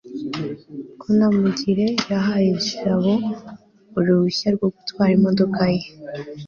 kanamugire yahaye jabo uruhushya rwo gutwara imodoka ye